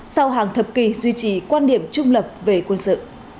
sau hàng thập kỷ duy trì quan điểm trung lập về quân sự